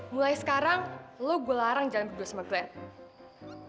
mulai sekarang lo gue larang jalan berdua sama glenn